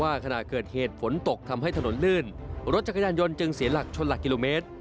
ขณะเกิดเหตุฝนตกทำให้ถนนลื่นรถจักรยานยนต์จึงเสียหลักชนหลักกิโลเมตร